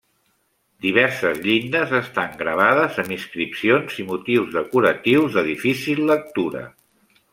Diverses llindes estan gravades amb inscripcions i motius decoratius de difícil lectura.